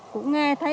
cũng nghe thấy tìm